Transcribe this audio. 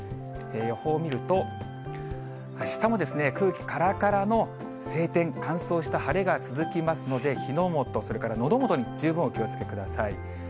予報を見ると、あしたも空気からからの晴天、乾燥した晴れが続きますので、火の元、それからのど元に十分お気をつけください。